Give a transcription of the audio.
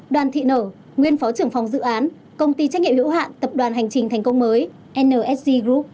đoàn thị nở nguyên phó trưởng phòng dự án công ty trách nhiệm hữu hạn tập đoàn hành trình thành công mới nsg group